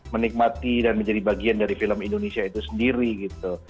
menikmati dan menjadi bagian dari film indonesia itu sendiri gitu